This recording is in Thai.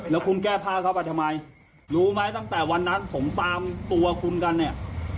แล้วคุณแก้ผ้าเข้าไปทำไมรู้ไหมตั้งแต่วันนั้นผมตามตัวคุณกันเนี่ย